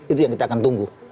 itu yang kita akan tunggu